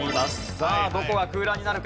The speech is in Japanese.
さあどこが空欄になるか？